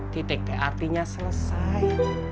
titik teh artinya selesai